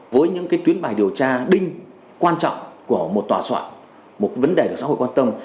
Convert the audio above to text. với những tuyến bài điều tra đinh quan trọng của một tòa soạn một vấn đề được xã hội quan tâm